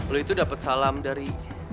lu itu dapet salam dari